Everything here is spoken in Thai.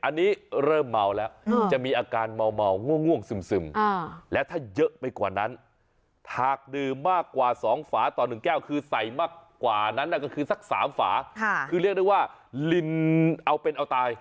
อันนี้เริ่มเมาแล้วจะมีอาการเมาง่วงซึมและถ้าเยอะไปกว่านั้นหากดื่มมากกว่า๒ฝาต่อ๑แก้วคือใส่มากกว่านั้นก็คือสัก๓ฝาคือเรียกได้ว่าลินเอาเป็นเอาตาย